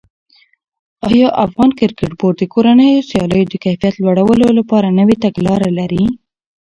آیا افغان کرکټ بورډ د کورنیو سیالیو د کیفیت لوړولو لپاره نوې تګلاره لري؟